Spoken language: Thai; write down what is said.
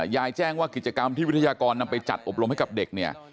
แจ้งว่ากิจกรรมที่วิทยากรนำไปจัดอบรมให้กับเด็กเนี่ย